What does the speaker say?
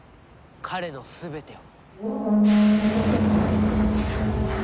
彼の全てを。